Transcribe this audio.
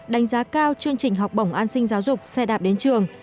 đánh giá cao chương trình học bổng an sinh giáo dục xe đạp đến trường